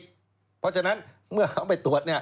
เพราะฉะนั้นเมื่อเขาไปตรวจ